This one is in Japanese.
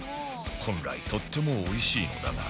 本来とってもおいしいのだが